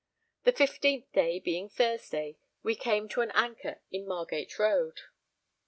The 15th day, being Thursday, we came to an anchor in Margate Road.